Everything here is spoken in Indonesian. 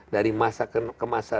dari masa ke masa